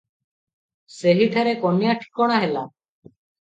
ସେହିଠାରେ କନ୍ୟା ଠିକଣା ହେଲା ।